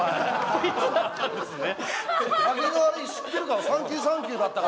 こいつだったんですね。